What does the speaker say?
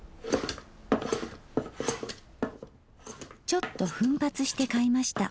ちょっと奮発して買いました